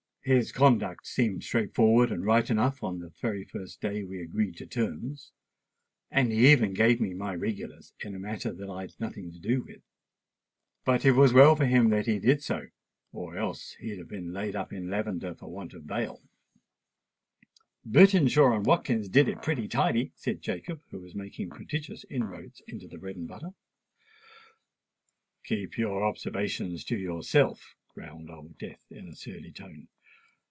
"His conduct seemed straight forward and right enough the very first day we agreed to terms; and he even gave me my regulars in a matter that I'd nothing to do with. But it was well for him that he did so; or else he'd have been laid up in lavender for want of bail." "Bertinshaw and Watkins did it pretty tidy," said Jacob, who was making prodigious inroads upon the bread and butter. "Keep your observations to yourself," growled Old Death in a surly tone.